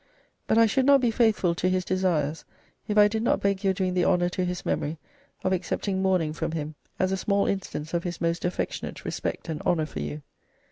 But I should not be faithful to his desires, if I did not beg your doing the honour to his memory of accepting mourning from him, as a small instance of his most affectionate respect and honour for you.